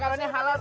ya makasih makasih